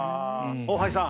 大橋さん